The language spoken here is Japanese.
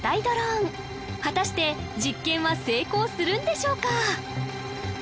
ドローン果たして実験は成功するんでしょうか？